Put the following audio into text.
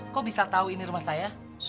kok bisa tahu ini rumah saya